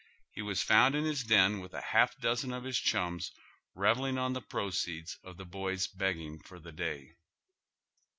He was found in his den with a half dozen of his ehums revelling on the proceeds of the boy's begging for the day.